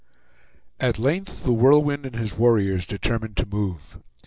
At length The Whirlwind and his warriors determined to move.